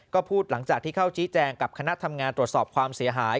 ก็พูดหลังจากที่เข้าชี้แจงกับคณะทำงานตรวจสอบความเสียหาย